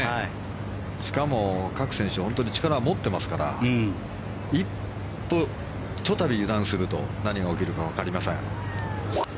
しかも各選手力を持ってますからひとたび油断すると何が起きるかわかりません。